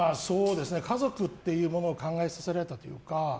家族というものを考えさせられたというか。